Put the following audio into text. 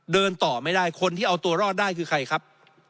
เดินต่อไม่ได้คนที่เอาตัวรอดได้คือใครครับ